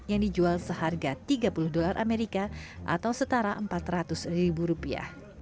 yang dijual seharga tiga puluh dolar amerika atau setara empat ratus ribu rupiah